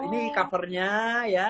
ini covernya ya